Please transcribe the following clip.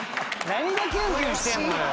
何でキュンキュンしてんのよ。